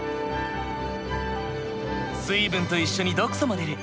水分と一緒に毒素も出る。